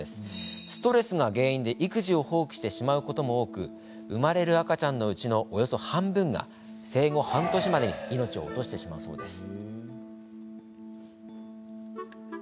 ストレスが原因で育児を放棄してしまうことも多く生まれる赤ちゃんのうちのおよそ半分が、生後半年までに命を落としてしまうそうです。